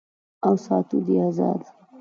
او ساتو دې آزاد